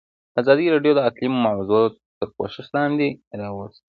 ازادي راډیو د اقلیم موضوع تر پوښښ لاندې راوستې.